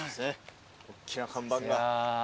おっきな看板が。